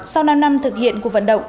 sau năm năm thực hiện cuộc vận động